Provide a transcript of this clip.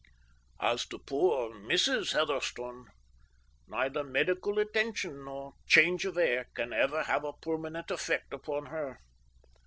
As to poor Mrs. Heatherstone, neither medical attention nor change of air can ever have a permanent effect upon her.